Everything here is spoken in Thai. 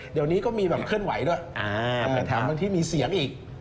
เดี๋ยวนี้ก็มีแบบเคลื่อนไหวด้วยแถมบางที่มีเสียงอีก